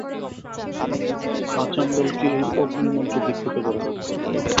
আচণ্ডালকে এই অগ্নিমন্ত্রে দীক্ষিত কর।